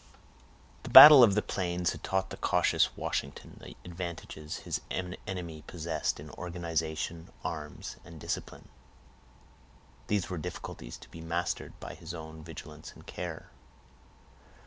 The battle of the Plains had taught the cautious Washington the advantages his enemy possessed in organization, arms, and discipline. These were difficulties to be mastered by his own vigilance and care.